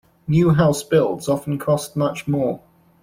New house builds often cost much more.